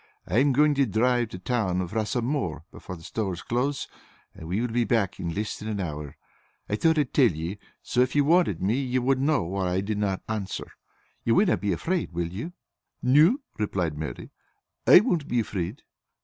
I am going to drive to town fra some more before the stores close, and we will be back in less than an hour. I thought I'd tell ye, so if ye wanted me ye wad know why I dinna answer. Ye winna be afraid, will ye?" "No," replied Mary, "I won't be afraid."